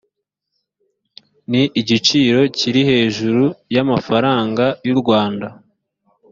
ni igiciro kiri hejuru y’amafaranga y’u rwanda